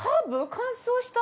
乾燥した。